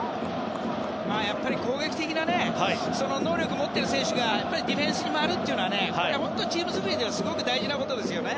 攻撃的な能力を持っている選手がディフェンスに回るというのはチーム作りとしてはすごく大事なことですね。